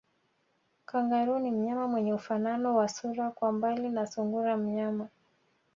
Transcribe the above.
Kangaroo ni mnyama mwenye ufanano wa sura kwa mbali na sungura mnyama